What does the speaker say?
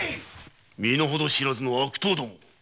身の程知らずの悪党ども。